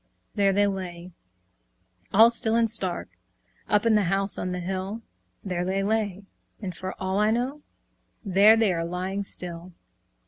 There they lay, all still and stark, Up in the house on the hill; There they lay, and, for all I know, There they are lying still.